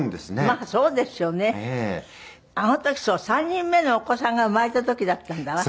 ３人目のお子さんが生まれた時だったんだわ。